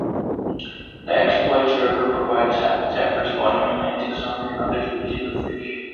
The Exploits River provides habitat for spawning Atlantic Salmon and other species of fish.